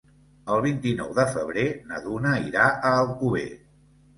El vint-i-nou de febrer na Duna irà a Alcover.